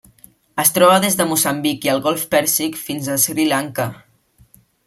Es troba des de Moçambic i el Golf Pèrsic fins a Sri Lanka.